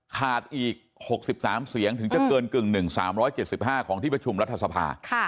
ขาดอีก๖๓เสียงถึงจะเกินกึ่ง๑๓๗๕ของที่ประชุมรัฐสภา